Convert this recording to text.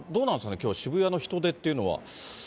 きょう、渋谷の人出っていうのは。